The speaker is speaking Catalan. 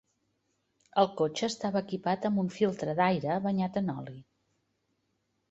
El cotxe estava equipat amb un filtre d'aire banyat en oli.